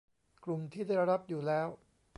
กลุ่มที่ได้รับอยู่แล้ว